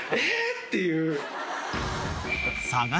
っていう。